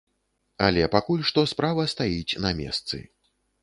Але пакуль што справа стаіць на месцы.